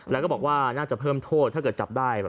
แล้วก็บอกว่าน่าจะเพิ่มโทษถ้าเกิดจับได้